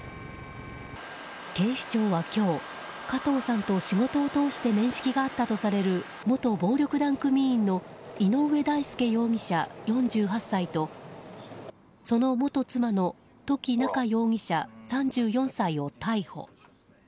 警視庁は今日加藤さんと仕事を通して面識があったとされる元暴力団組員の井上大輔容疑者、４８歳とその元妻の土岐菜夏容疑者、３４歳を逮捕。